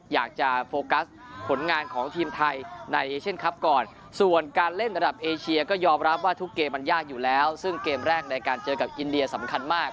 อยากจะโฟกัสผลงานของทีมไทยในเอเชียนคลับก่อนส่วนการเล่นระดับเอเชียก็ยอมรับว่าทุกเกมมันยากอยู่แล้วซึ่งเกมแรกในการเจอกับอินเดียสำคัญมาก